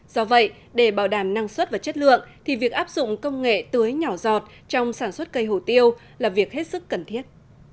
do vậy để bảo đảm năng suất và chất lượng thì việc áp dụng công nghệ tưới nhỏ giọt trong sản xuất cây hổ tiêu là việc hết sức cần thiết